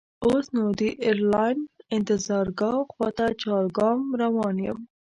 اوس نو د ایرلاین انتظارګاه خواته چارګام روان یم.